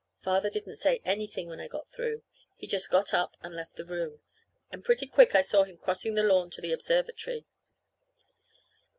Father didn't say anything when I got through. He just got up and left the room, and pretty quick I saw him crossing the lawn to the observatory.